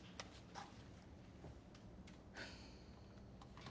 あっ。